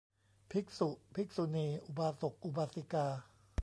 ภิกษุ ภิกษุณี อุบาสก อุบาสิกา